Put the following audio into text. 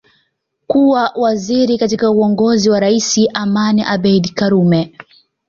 Kuwa waziri katika uongozi wa Rais Amani Abedi Karume